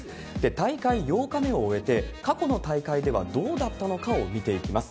大会８日目を終えて、過去の大会ではどうだったのかを見ていきます。